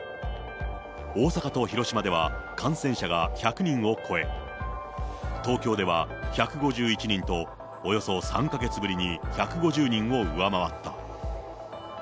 大阪と広島では感染者が１００人を超え、東京では１５１人と、およそ３か月ぶりに１５０人を上回った。